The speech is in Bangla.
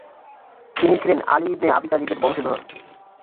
তিনি ছিলেন আলি ইবনে আবি তালিবের বংশধর ।